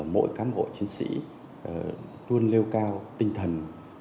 mỗi cám bộ chiến sĩ luôn lêu cao tinh thần